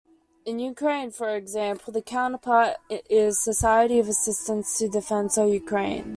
In Ukraine, for example, the counterpart is "Society of Assistance to Defense of Ukraine".